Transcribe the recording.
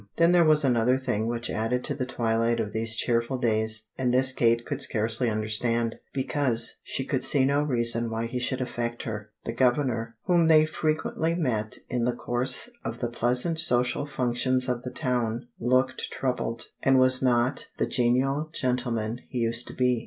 Then there was another thing which added to the twilight of these cheerful days, and this Kate could scarcely understand, because she could see no reason why it should affect her. The Governor, whom they frequently met in the course of the pleasant social functions of the town, looked troubled, and was not the genial gentleman he used to be.